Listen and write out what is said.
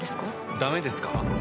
ダメですか？